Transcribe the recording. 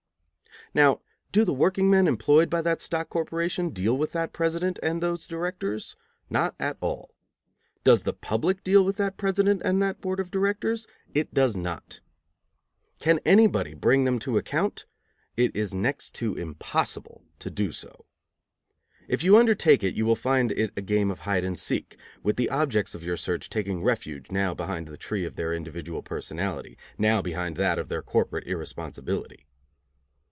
Now, do the workingmen employed by that stock corporation deal with that president and those directors? Not at all. Does the public deal with that president and that board of directors? It does not. Can anybody bring them to account? It is next to impossible to do so. If you undertake it you will find it a game of hide and seek, with the objects of your search taking refuge now behind the tree of their individual personality, now behind that of their corporate irresponsibility.